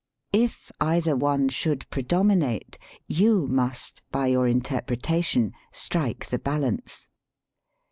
If either one should predominate, 144 DIDACTIC POETRY you must, by your interpretation, strike the balance.